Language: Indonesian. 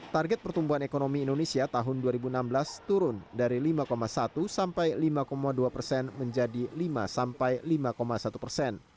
target pertumbuhan ekonomi indonesia tahun dua ribu enam belas turun dari lima satu sampai lima dua persen menjadi lima sampai lima satu persen